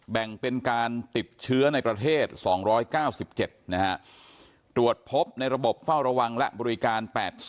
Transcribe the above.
แบ่งเป็นการติดเชื้อในประเทศ๒๙๗นะฮะตรวจพบในระบบเฝ้าระวังและบริการ๘๐